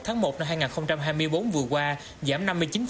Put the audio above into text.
tháng một năm hai nghìn hai mươi bốn vừa qua giảm năm mươi chín